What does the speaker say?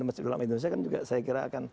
masjid ulama indonesia kan juga saya kira akan